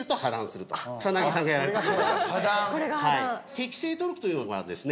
適正トルクというのがですね